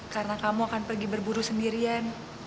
karena kamu akan pergi berburu sendirian